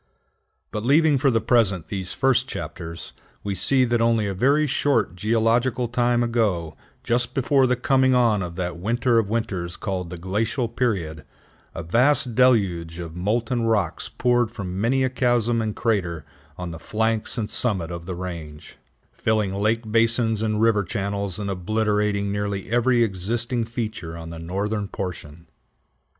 But leaving for the present these first chapters, we see that only a very short geological time ago, just before the coming on of that winter of winters called the glacial period, a vast deluge of molten rocks poured from many a chasm and crater on the flanks and summit of the range, filling lake basins and river channels, and obliterating nearly every existing feature on the northern portion.